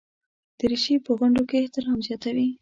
دریشي په غونډو کې احترام زیاتوي.